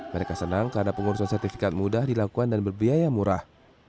mereka senang karena pengurusan sertifikat mudah dilakukan dan berbiaya murah